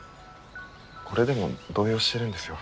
これでも動揺してるんですよ